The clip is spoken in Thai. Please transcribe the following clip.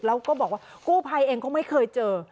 แล้วก็บอกว่ากู้ภัยเองก็ไม่เคยเจอ